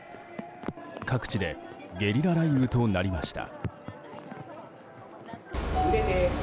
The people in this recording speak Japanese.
各地でゲリラ雷雨となりました。